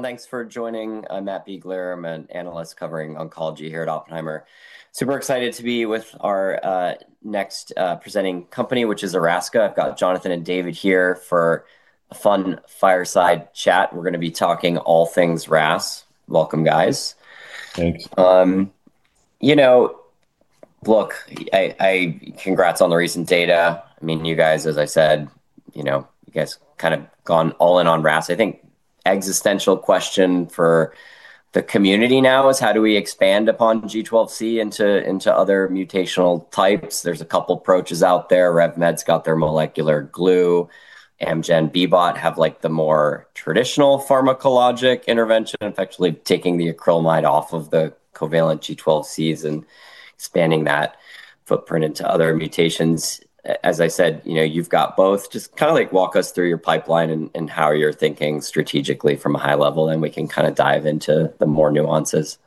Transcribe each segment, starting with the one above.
Everyone, thanks for joining. I'm Matt Biegler, I'm an analyst covering oncology here at Oppenheimer. Super excited to be with our next presenting company, which is Erasca. I've got Jonathan and David here for a fun fireside chat. We're gonna be talking all things RAS. Welcome, guys. Thanks. You know, look, congrats on the recent data. I mean, you guys, as I said, you know, you guys kind of gone all in on RAS. I think existential question for the community now is: How do we expand upon G12C into other mutational types? There's two approaches out there. Revolution Medicines' got their molecular glue, Amgen, BBOT have, like, the more traditional pharmacologic intervention, effectively taking the acrylamide off of the covalent G12Cs and expanding that footprint into other mutations. As I said, you know, you've got both. Just kind of, like, walk us through your pipeline and how you're thinking strategically from a high level, and we can kind of dive into the more nuances.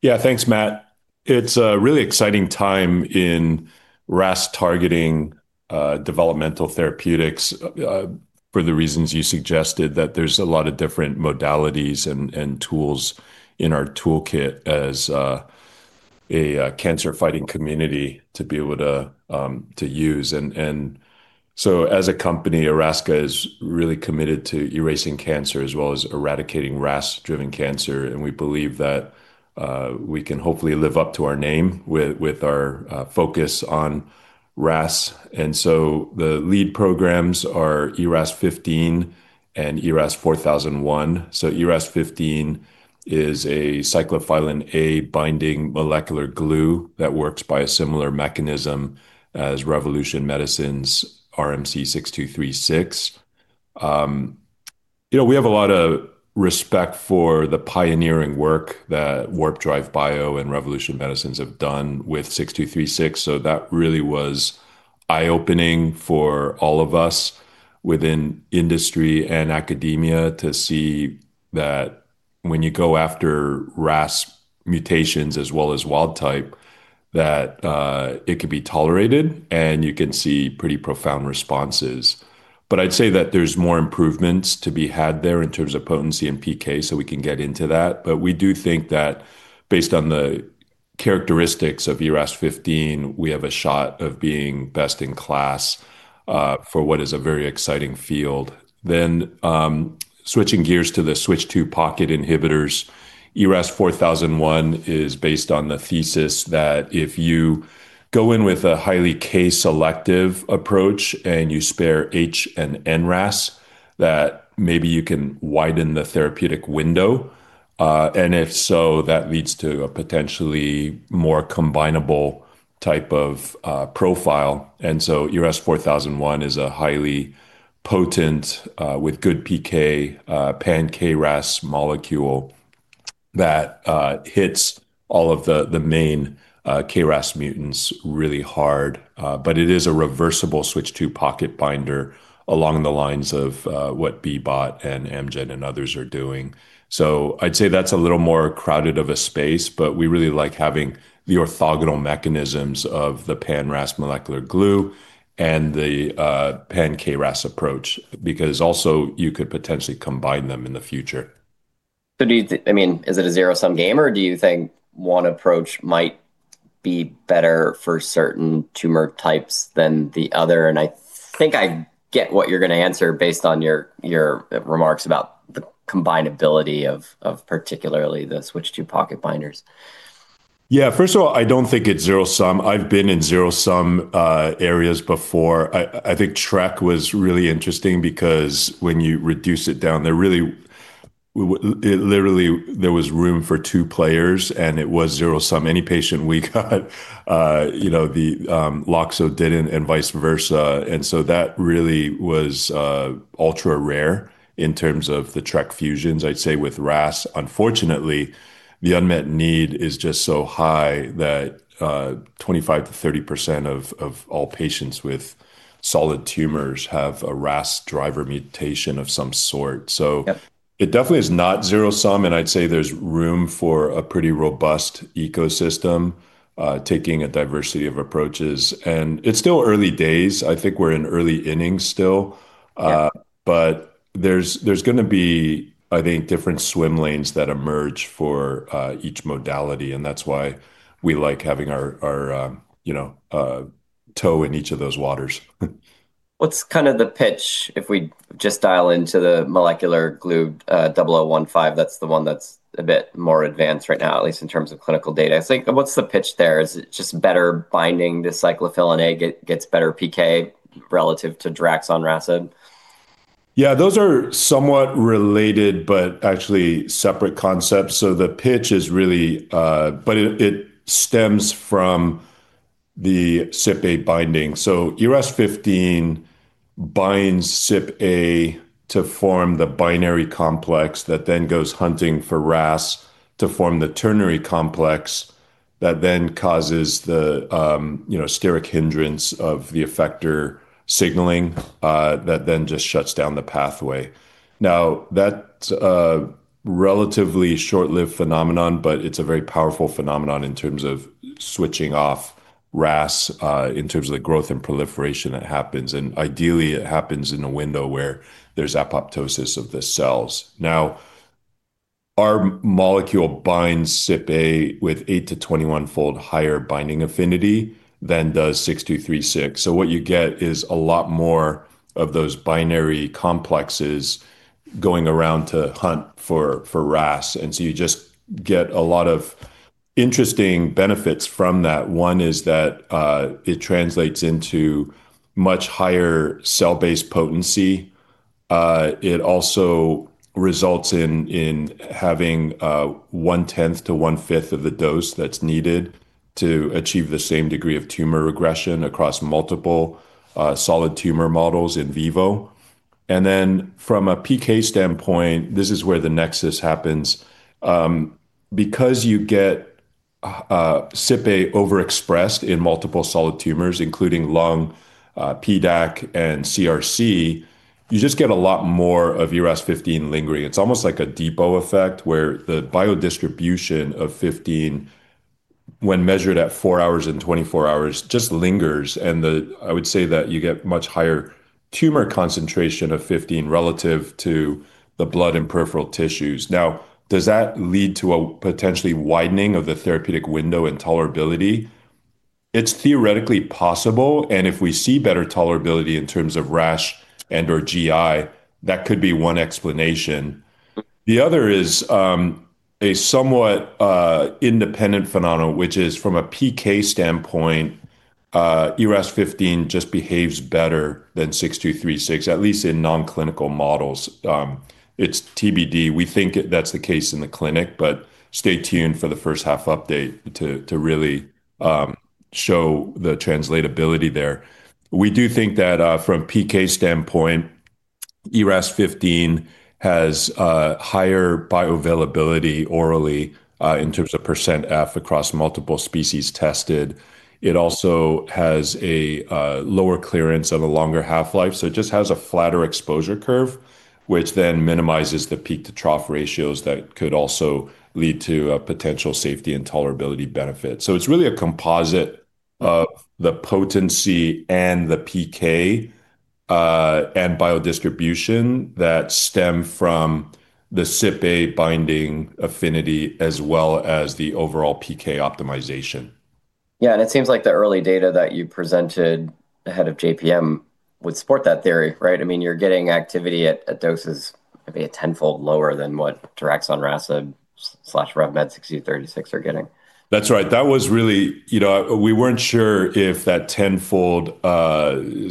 Yeah, thanks, Matt. It's a really exciting time in RAS targeting, developmental therapeutics, for the reasons you suggested, that there's a lot of different modalities and tools in our toolkit as a cancer-fighting community to be able to use. As a company, Erasca is really committed to erasing cancer, as well as eradicating RAS-driven cancer, and we believe that we can hopefully live up to our name with our focus on RAS. The lead programs are ERAS-0015 and ERAS 4,001. ERAS-0015 is a cyclophilin A binding molecular glue that works by a similar mechanism as Revolution Medicines' RMC-6236. You know, we have a lot of respect for the pioneering work that Warp Drive Bio and Revolution Medicines have done with RMC-6236. That really was eye-opening for all of us within industry and academia to see that when you go after RAS mutations as well as wild type, that it could be tolerated, and you can see pretty profound responses. I'd say that there's more improvements to be had there in terms of potency and PK, so we can get into that. We do think that based on the characteristics of ERAS-0015, we have a shot of being best in class for what is a very exciting field. Switching gears to the switch II pocket inhibitors, ERAS-4001 is based on the thesis that if you go in with a highly KRAS-selective approach, you spare HRAS and NRAS, that maybe you can widen the therapeutic window. If so, that leads to a potentially more combinable type of profile. ERAS-4001 is a highly potent, with good PK, pan-KRAS molecule that hits all of the main KRAS mutants really hard. It is a reversible switch II pocket binder along the lines of what BBOT and Amgen and others are doing. I'd say that's a little more crowded of a space, but we really like having the orthogonal mechanisms of the pan RAS molecular glue and the pan KRAS approach, because also you could potentially combine them in the future. I mean, is it a zero-sum game, or do you think one approach might be better for certain tumor types than the other? I think I get what you're gonna answer based on your remarks about the combinability of particularly the switch II pocket binders. Yeah. First of all, I don't think it's zero-sum. I've been in zero-sum areas before. I think TRK was really interesting because when you reduce it down, there really it literally, there was room for two players, and it was zero-sum. Any patient we got, you know, the LOXO didn't, and vice versa. That really was ultra rare in terms of the TRK fusions. I'd say with RAS, unfortunately, the unmet need is just so high that 25%-30% of all patients with solid tumors have a RAS driver mutation of some sort. Yep... it definitely is not zero-sum, and I'd say there's room for a pretty robust ecosystem, taking a diversity of approaches. It's still early days. I think we're in early innings still. Yeah. There's gonna be, I think, different swim lanes that emerge for each modality, and that's why we like having our, you know, toe in each of those waters. What's kind of the pitch if we just dial into the molecular glue, 0015? That's the one that's a bit more advanced right now, at least in terms of clinical data. It's like, what's the pitch there? Is it just better binding the cyclophilin A gets better PK relative to daraxonrasib? Those are somewhat related, actually separate concepts. The pitch is really, it stems from the CYPA binding. ERAS-0015 binds CYPA to form the binary complex that then goes hunting for RAS to form the ternary complex, that then causes the, you know, steric hindrance of the effector signaling, that then just shuts down the pathway. That relatively short-lived phenomenon, but it's a very powerful phenomenon in terms of switching off RAS, in terms of the growth and proliferation that happens, and ideally, it happens in a window where there's apoptosis of the cells. Our molecule binds CYPA with 8-21 fold higher binding affinity than does 6236. What you get is a lot more of those binary complexes going around to hunt for RAS, you just get a lot of interesting benefits from that. One is that it translates into much higher cell-based potency. It also results in having 1/10 to 1/5 of the dose that's needed to achieve the same degree of tumor regression across multiple solid tumor models in vivo. From a PK standpoint, this is where the nexus happens. Because you get CYPA overexpressed in multiple solid tumors, including lung, PDAC and CRC, you just get a lot more of ERAS-0015 lingering. It's almost like a depot effect, where the biodistribution of 15 when measured at 4 hours and 24 hours, just lingers, I would say that you get much higher tumor concentration of 15 relative to the blood and peripheral tissues. Does that lead to a potentially widening of the therapeutic window and tolerability? It's theoretically possible, and if we see better tolerability in terms of rash and/or GI, that could be one explanation. The other is a somewhat independent phenomenon, which is from a PK standpoint, ERAS-0015 just behaves better than 6236, at least in non-clinical models. It's TBD. We think that's the case in the clinic, but stay tuned for the first half update to really show the translatability there. We do think that, from PK standpoint, ERAS-0015 has higher bioavailability orally, in terms of %F across multiple species tested. It also has a lower clearance of a longer half-life, it just has a flatter exposure curve, which then minimizes the peak to trough ratios that could also lead to a potential safety and tolerability benefit. It's really a composite of the potency and the PK, and biodistribution that stem from the CYPA binding affinity, as well as the overall PK optimization. Yeah, it seems like the early data that you presented ahead of JPM would support that theory, right? I mean, you're getting activity at doses maybe a tenfold lower than what daraxonrasib/Revolution Medicines RMC-6236 are getting. That's right. That was really... You know, we weren't sure if that tenfold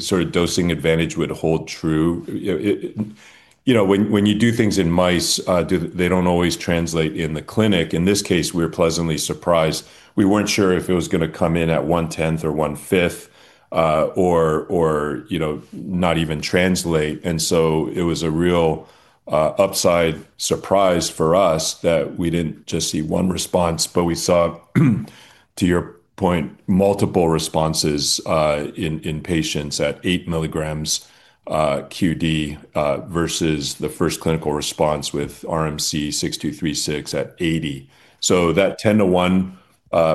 sort of dosing advantage would hold true. You know, it, you know, when you do things in mice, they don't always translate in the clinic. In this case, we're pleasantly surprised. We weren't sure if it was gonna come in at one-tenth or one-fifth, or, you know, not even translate, and so it was a real upside surprise for us that we didn't just see one response, but we saw, to your point, multiple responses in patients at eight milligrams QD versus the first clinical response with RMC-6236 at 80. That 10 to 1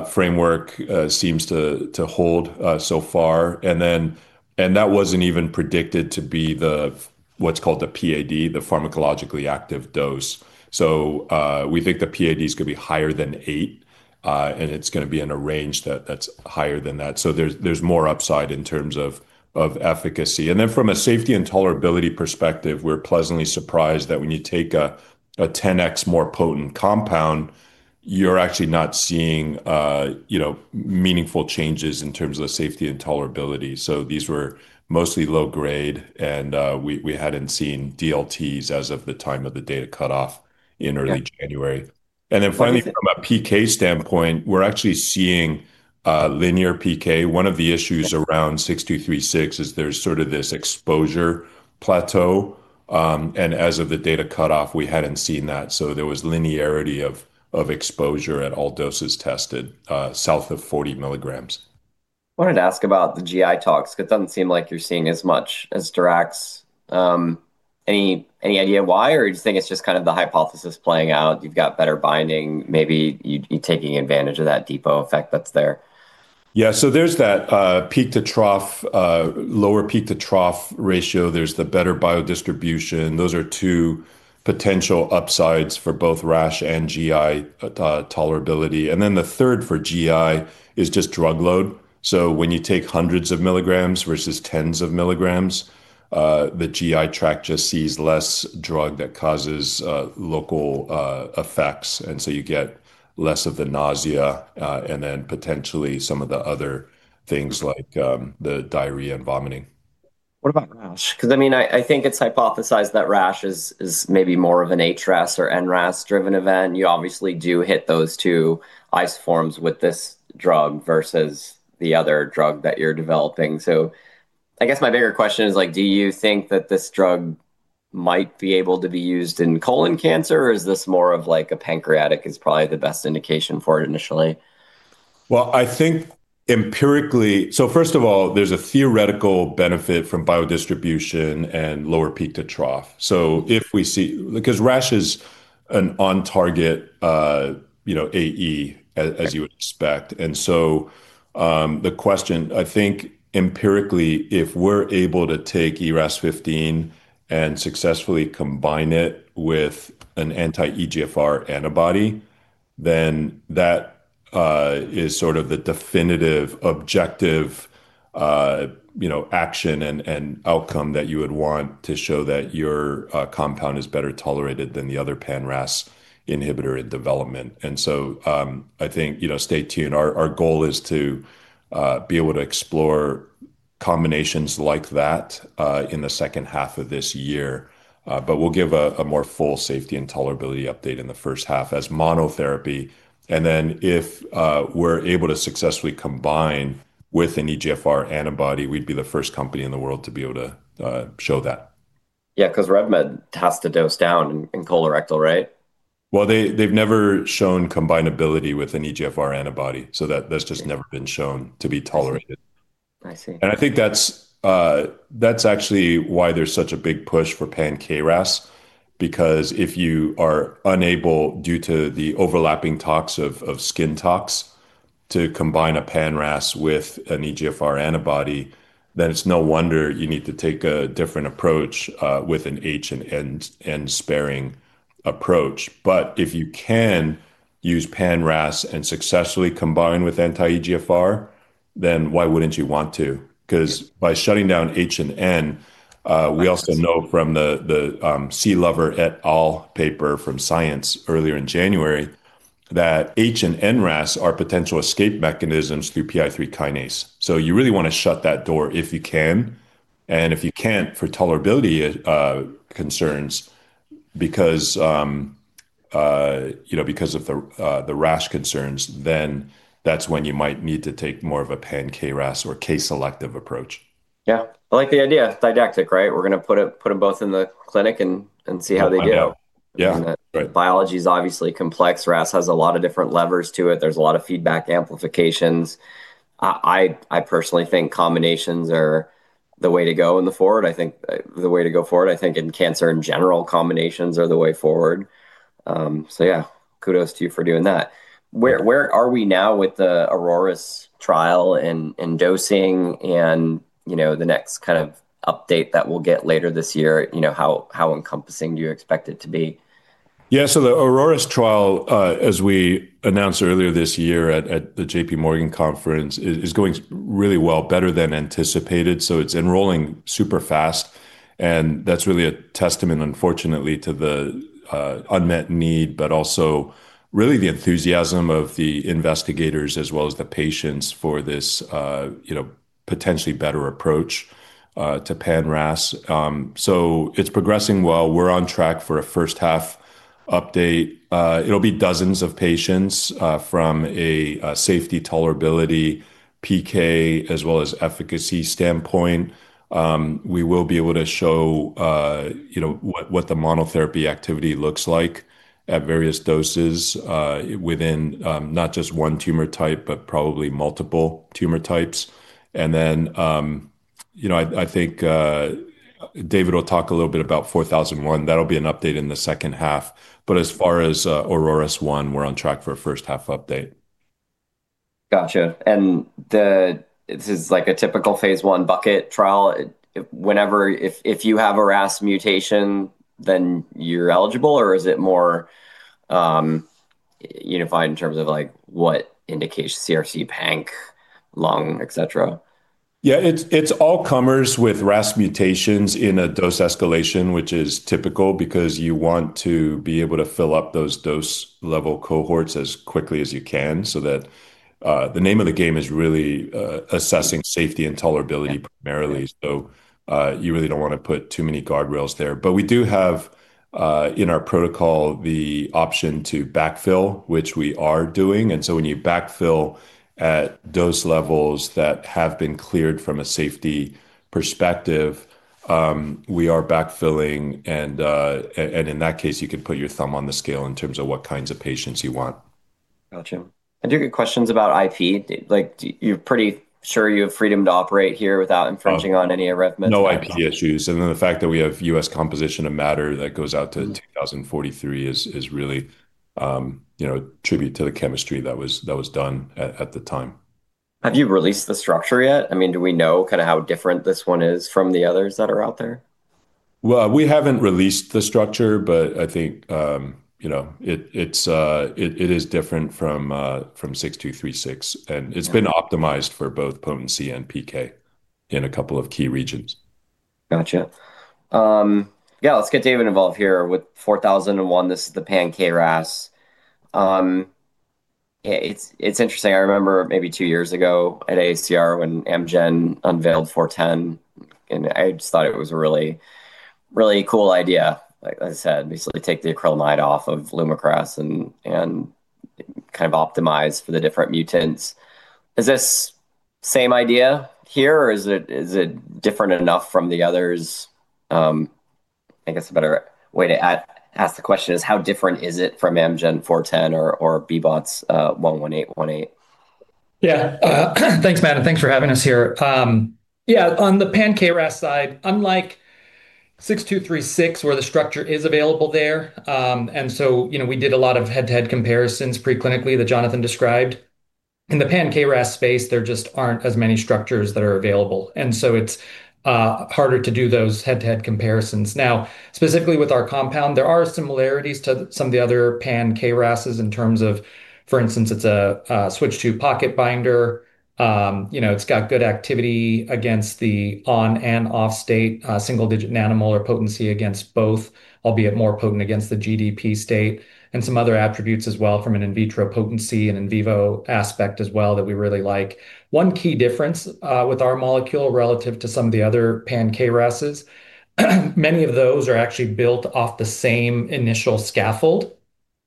framework seems to hold so far. That wasn't even predicted to be the, what's called the PAD, the pharmacologically active dose. We think the PADs could be higher than eight, and it's gonna be in a range that's higher than that. There's more upside in terms of efficacy. From a safety and tolerability perspective, we're pleasantly surprised that when you take a 10x more potent compound, you're actually not seeing, you know, meaningful changes in terms of safety and tolerability. These were mostly low grade, and we hadn't seen DLTs as of the time of the data cutoff in early January. Yeah. Finally, from a PK standpoint, we're actually seeing linear PK. One of the issues around RMC-6236 is there's sort of this exposure plateau. As of the data cutoff, we hadn't seen that. There was linearity of exposure at all doses tested south of 40 milligrams. I wanted to ask about the GI tox. It doesn't seem like you're seeing as much as daraxonrasib. Any idea why, or you think it's just kind of the hypothesis playing out, you've got better binding, maybe you taking advantage of that depot effect that's there? Yeah. There's that peak to trough lower peak to trough ratio. There's the better biodistribution. Those are two potential upsides for both rash and GI tolerability. The third for GI is just drug load. When you take hundreds of milligrams versus tens of milligrams, the GI tract just sees less drug that causes local effects, and so you get less of the nausea, and then potentially some of the other things like the diarrhea and vomiting. What about rash? I mean, I think it's hypothesized that rash is maybe more of an HRAS or NRAS driven event. You obviously do hit those two isoforms with this drug versus the other drug that you're developing. I guess my bigger question is like, do you think that this drug might be able to be used in colon cancer, or is this more of like a pancreatic is probably the best indication for it initially? Well, I think empirically, first of all, there's a theoretical benefit from biodistribution and lower peak to trough. Because RAS is an on target, you know, AE, as you would expect. The question, I think empirically, if we're able to take ERAS-0015 and successfully combine it with an anti-EGFR antibody, then that is sort of the definitive, objective, you know, action and outcome that you would want to show that your compound is better tolerated than the other pan-RAS inhibitor in development. I think, you know, stay tuned. Our goal is to be able to explore combinations like that in the second half of this year. We'll give a more full safety and tolerability update in the first half as monotherapy. If we're able to successfully combine with an EGFR antibody, we'd be the first company in the world to be able to show that. Yeah, 'cause RevMed has to dose down in colorectal, right? Well, they've never shown combinability with an EGFR antibody, so that's just never been shown to be tolerated. I see. I think that's actually why there's such a big push for pan-KRAS, because if you are unable, due to the overlapping tox of skin tox, to combine a pan-RAS with an EGFR antibody, then it's no wonder you need to take a different approach with an H and N-sparing approach. If you can use pan-RAS and successfully combine with anti-EGFR, then why wouldn't you want to? 'Cause by shutting down H and N, we also know from the C. Lover et al. paper from Science earlier in January, that H and N RAS are potential escape mechanisms through PI3K. You really wanna shut that door if you can, and if you can't, for tolerability, concerns, because, you know, because of the RAS concerns, then that's when you might need to take more of a pan-KRAS or K-selective approach. Yeah. I like the idea. Didactic, right? We're gonna put them both in the clinic and see how they do. Yeah. Right. Biology is obviously complex. RAS has a lot of different levers to it. There's a lot of feedback amplifications. I personally think combinations are the way to go in the forward. I think, the way to go forward, I think in cancer in general, combinations are the way forward. Yeah, kudos to you for doing that. Yeah. Where are we now with the AURORAS-1 trial and dosing and, you know, the next kind of update that we'll get later this year, you know, how encompassing do you expect it to be? Yeah, the AURORAS-1 trial, as we announced earlier this year at the JP Morgan conference, is going really well, better than anticipated. It's enrolling super fast, and that's really a testament, unfortunately, to the unmet need, but also really the enthusiasm of the investigators, as well as the patients for this, you know, potentially better approach to pan-RAS. It's progressing well. We're on track for a first half update. It'll be dozens of patients from a safety, tolerability, PK, as well as efficacy standpoint. We will be able to show, you know, what the monotherapy activity looks like at various doses within not just one tumor type, but probably multiple tumor types. I think David will talk a little bit about 4001. That'll be an update in the second half, but as far as AURORAS-1, we're on track for a first half update. Gotcha. This is like a typical phase I bucket trial, whenever if you have a RAS mutation, then you're eligible, or is it more, unified in terms of, like, what indicates CRC, panc, lung, etc.? Yeah, it's all comers with RAS mutations in a dose escalation, which is typical because you want to be able to fill up those dose-level cohorts as quickly as you can, so that the name of the game is really assessing safety and tolerability primarily. Yeah. You really don't wanna put too many guardrails there. We do have in our protocol, the option to backfill, which we are doing. When you backfill at dose levels that have been cleared from a safety perspective, we are backfilling, and in that case, you can put your thumb on the scale in terms of what kinds of patients you want. Gotcha. I do get questions about IP. Like, you're pretty sure you have freedom to operate here without infringing on any of Revolution Medicines'- No IP issues, and then the fact that we have U.S. composition of matter that goes out to 2043 is really, you know, a tribute to the chemistry that was done at the time. Have you released the structure yet? I mean, do we know kinda how different this one is from the others that are out there? Well, we haven't released the structure, but I think, you know, it's, it is different from RMC-6236. Right it's been optimized for both potency and PK in a couple of key regions. Gotcha. Yeah, let's get David involved here. With 4001, this is the pan-KRAS. It's interesting. I remember maybe 2 years ago at AACR when Amgen unveiled 410, and I just thought it was a really, really cool idea. Like I said, basically take the acrylamide off of LUMAKRAS and kind of optimize for the different mutants. Is this same idea here, or is it different enough from the others? I guess a better way to ask the question is, how different is it from Amgen 410 or BBOT's 11818? Yeah. Thanks, Matt, thanks for having us here. Yeah, on the pan-KRAS side, unlike RMC-6236, where the structure is available there, you know, we did a lot of head-to-head comparisons pre-clinically that Jonathan described. In the pan-KRAS space, there just aren't as many structures that are available, it's harder to do those head-to-head comparisons. Now, specifically with our compound, there are similarities to some of the other pan-KRASs in terms of, for instance, it's a switch II pocket binder. You know, it's got good activity against the on and off state, single-digit nanomolar potency against both, albeit more potent against the GDP state, some other attributes as well from an in vitro potency and in vivo aspect as well, that we really like. One key difference, with our molecule relative to some of the other pan-KRASs, many of those are actually built off the same initial scaffold.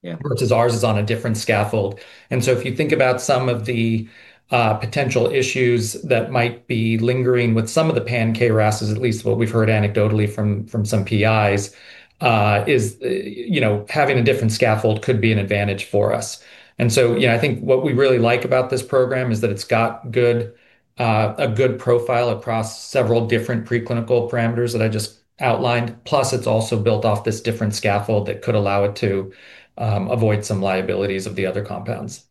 Yeah versus ours is on a different scaffold. If you think about some of the potential issues that might be lingering with some of the pan-KRASs, at least what we've heard anecdotally from some PIs, you know, having a different scaffold could be an advantage for us. Yeah, I think what we really like about this program is that it's got good, a good profile across several different preclinical parameters that I just outlined, plus it's also built off this different scaffold that could allow it to avoid some liabilities of the other compounds.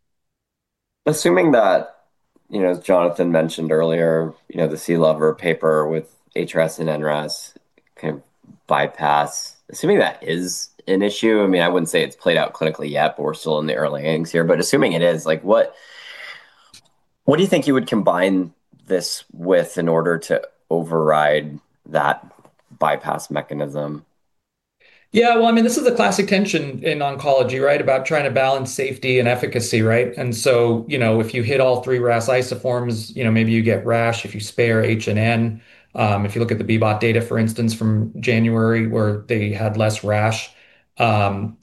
Assuming that, you know, as Jonathan mentioned earlier, you know, the Sealover paper with HRAS and NRAS kind of bypass, assuming that is an issue, I mean, I wouldn't say it's played out clinically yet, but we're still in the early innings here. Assuming it is, like, what do you think you would combine this with in order to override that bypass mechanism? Yeah, well, I mean, this is a classic tension in oncology, right? About trying to balance safety and efficacy, right? You know, if you hit all three RAS isoforms, you know, maybe you get rash if you spare H and N. If you look at the BBOT data, for instance, from January, where they had less rash,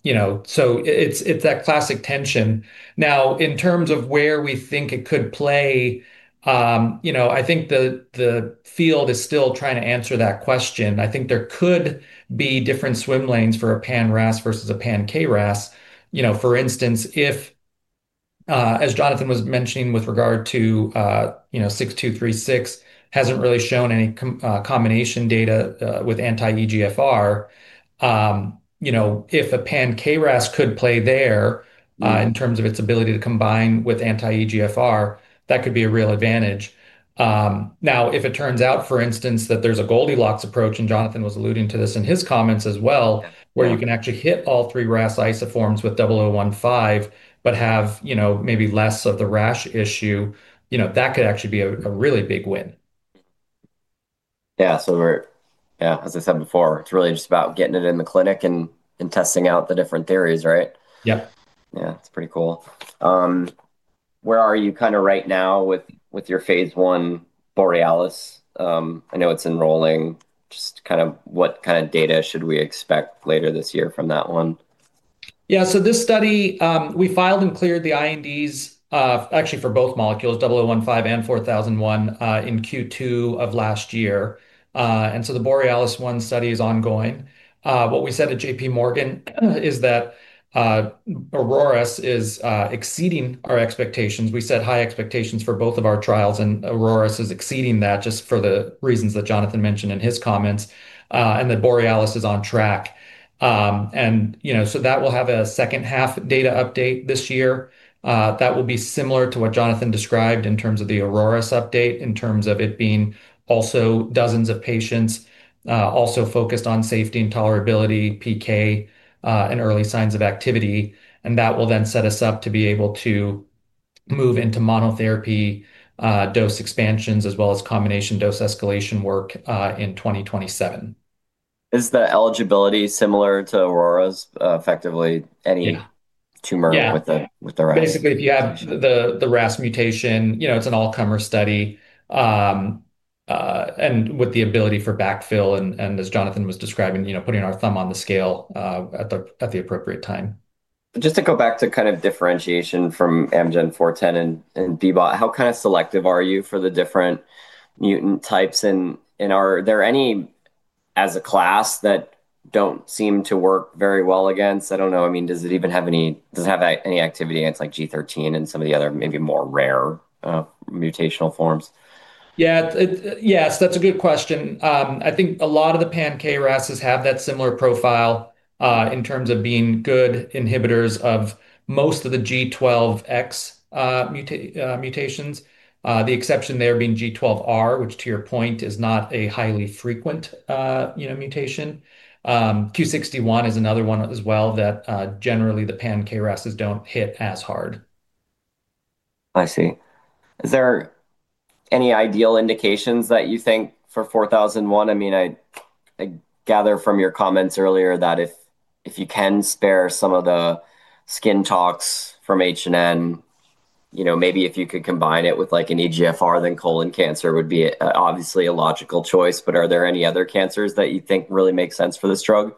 you know, so it's that classic tension. Now, in terms of where we think it could play, you know, I think the field is still trying to answer that question. I think there could be different swim lanes for a pan RAS versus a pan KRAS. You know, for instance, if, as Jonathan was mentioning with regard to, you know, 6236, hasn't really shown any combination data with anti-EGFR. you know, if a pan KRAS could play there- Mm-hmm... in terms of its ability to combine with anti-EGFR, that could be a real advantage. If it turns out, for instance, that there's a Goldilocks approach, and Jonathan was alluding to this in his comments as well, where you can actually hit all three RAS isoforms with 0015, but have, you know, maybe less of the RAS issue, you know, that could actually be a really big win. Yeah. Yeah, as I said before, it's really just about getting it in the clinic and testing out the different theories, right? Yeah. Yeah. It's pretty cool. Where are you kind of right now with your phase 1 BOREALIS-1? I know it's enrolling. Just kind of what kind of data should we expect later this year from that one? This study, we filed and cleared the INDs, actually for both molecules, 0015 and 4001 in Q2 of last year. The BOREALIS-1 study is ongoing. What we said at JP Morgan, AURORAS-1 is exceeding our expectations. We set high expectations for both of our trials, and AURORAS-1 is exceeding that, just for the reasons that Jonathan mentioned in his comments, and that BOREALIS-1 is on track. You know, that will have a second-half data update this year. That will be similar to what Jonathan described in terms of the AURORAS-1 update, in terms of it being also dozens of patients, also focused on safety and tolerability, PK, and early signs of activity, and that will then set us up to be able to move into monotherapy, dose expansions, as well as combination dose escalation work, in 2027. Is the eligibility similar to AURORAS, effectively? Yeah - tumor- Yeah with the RAS? Basically, if you have the RAS mutation, you know, it's an all-comer study. With the ability for backfill and as Jonathan was describing, you know, putting our thumb on the scale at the appropriate time. Just to go back to kind of differentiation from Amgen AMG-510 and dba, how kind of selective are you for the different mutant types, and are there any, as a class, that don't seem to work very well against? I don't know. I mean, does it even have any activity against, like, G13 and some of the other, maybe more rare, mutational forms? Yes, that's a good question. I think a lot of the pan KRASs have that similar profile in terms of being good inhibitors of most of the G12X mutations. The exception there being G12R, which to your point, is not a highly frequent, you know, mutation. Q61 is another one as well that generally the pan KRASs don't hit as hard. I see. Is there any ideal indications that you think for ERAS-4001? I mean, I gather from your comments earlier that if you can spare some of the skin tox from H and N, you know, maybe if you could combine it with, like, an EGFR, then colon cancer would be obviously a logical choice, but are there any other cancers that you think really make sense for this drug?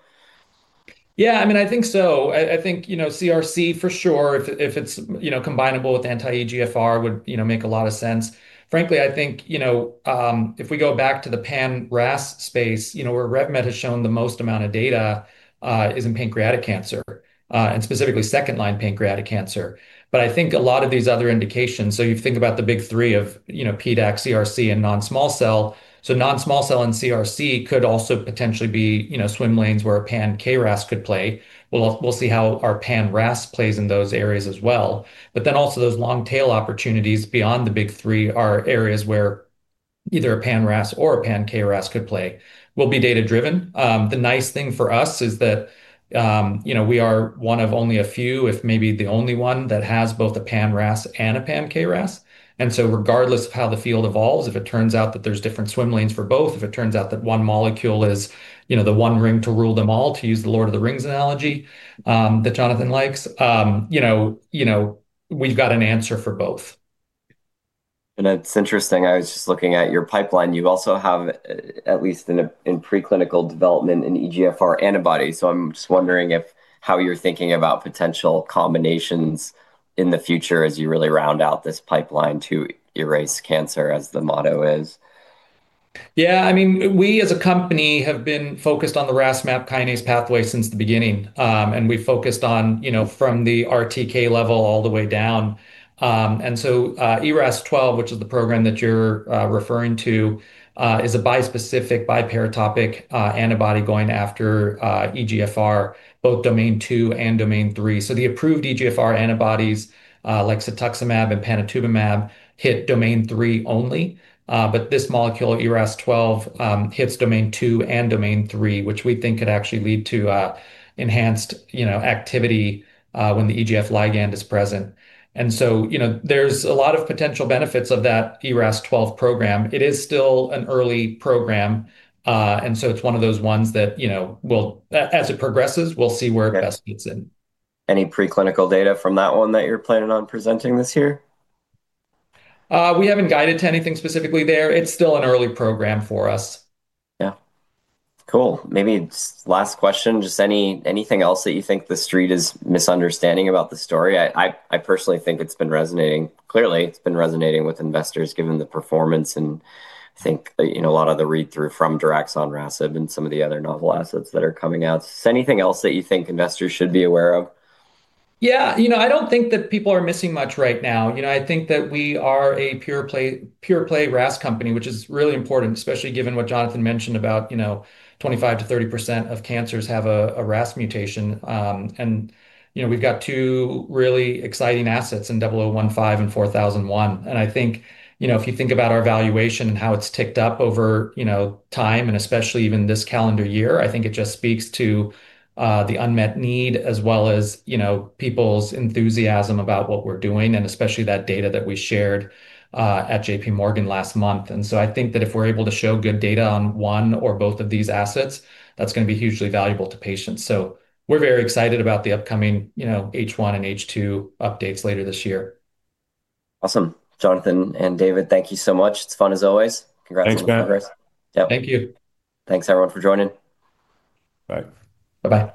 Yeah, I mean, I think so. I think, you know, CRC for sure, if it's, you know, combinable with anti-EGFR would, you know, make a lot of sense. Frankly, I think, you know, if we go back to the pan RAS space, you know, where RevMed has shown the most amount of data, is in pancreatic cancer, and specifically second-line pancreatic cancer. I think a lot of these other indications, you think about the big three of, you know, PDAC, CRC, and non-small cell. Non-small cell and CRC could also potentially be, you know, swim lanes where a pan KRAS could play. We'll see how our pan RAS plays in those areas as well. Also those long-tail opportunities beyond the big three are areas where either a pan RAS or a pan KRAS could play, will be data-driven. The nice thing for us is that, you know, we are one of only a few, if maybe the only one, that has both a pan-RAS and a pan-KRAS. Regardless of how the field evolves, if it turns out that there's different swim lanes for both, if it turns out that one molecule is, you know, the one ring to rule them all, to use the Lord of the Rings analogy, that Jonathan likes, you know, we've got an answer for both. It's interesting, I was just looking at your pipeline. You also have, at least in preclinical development, an EGFR antibody. I'm just wondering if how you're thinking about potential combinations in the future as you really round out this pipeline to Erasca, as the motto is? Yeah, I mean, we as a company have been focused on the RAS/MAPK pathway since the beginning, and we focused on, you know, from the RTK level all the way down. ERAS-12, which is the program that you're referring to, is a bispecific, biparatopic antibody going after EGFR, both domain II and domain III. The approved EGFR antibodies, like cetuximab and panitumumab, hit domain III only, but this molecule, ERAS-12, hits domain II and domain III, which we think could actually lead to enhanced, you know, activity when the EGF ligand is present. You know, there's a lot of potential benefits of that ERAS-12 program. It is still an early program, and so it's one of those ones that, you know, we'll as it progresses, we'll see where it best fits in. Any preclinical data from that one that you're planning on presenting this year? We haven't guided to anything specifically there. It's still an early program for us. Yeah. Cool. Maybe just last question, anything else that you think the street is misunderstanding about the story? I personally think it's been resonating. Clearly, it's been resonating with investors, given the performance, and I think, you know, a lot of the read-through from daraxonrasib and some of the other novel assets that are coming out. Anything else that you think investors should be aware of? Yeah. You know, I don't think that people are missing much right now. You know, I think that we are a pure play RAS company, which is really important, especially given what Jonathan mentioned about, you know, 25% to 30% of cancers have a RAS mutation. You know, we've got 2 really exciting assets in 0015 and 4001. I think, you know, if you think about our valuation and how it's ticked up over, you know, time, and especially even this calendar year, I think it just speaks to the unmet need, as well as, you know, people's enthusiasm about what we're doing, and especially that data that we shared at JPMorgan last month. I think that if we're able to show good data on one or both of these assets, that's gonna be hugely valuable to patients. We're very excited about the upcoming, you know, H1 and H2 updates later this year. Awesome. Jonathan and David, thank you so much. It's fun as always. Thanks, Matt. Congrats on the progress. Yep. Thank you. Thanks, everyone, for joining. Bye. Bye-bye.